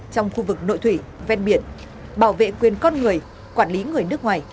trong khu vực nội thủy ven biển bảo vệ quyền con người quản lý người nước ngoài